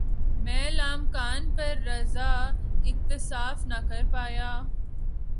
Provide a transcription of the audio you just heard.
مَیں لامکاں پہ رضاؔ ، اکتفا نہ کر پایا